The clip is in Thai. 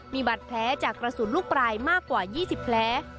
มีบัตรแผลจากกระสุนลูกปลายมากกว่า๒๐แผล